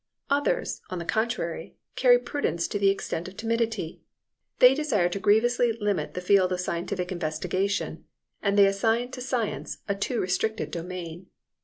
Others, on the contrary, carry prudence to the extent of timidity. They desire to grievously limit the field of scientific investigation, and they assign to science a too restricted domain.